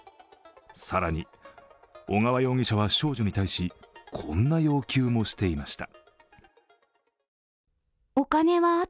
更に、小川容疑者は少女に対しこんな要求もしていました。